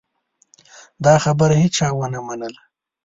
دا خبره هېچا ونه منله.